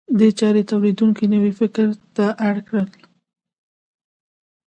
دې چارې تولیدونکي نوي فکر ته اړ کړل.